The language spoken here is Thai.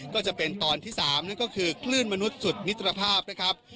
ก็จะเป็นตอนที่๓นั่นก็คือคลื่นมนุษย์สุดมิตรภาพนะครับ